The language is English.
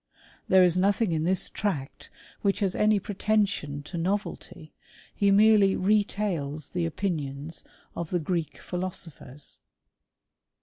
There is nothing in this tract which has any pretension to novelty ; he merely retails the opinions of the Greek philosophers.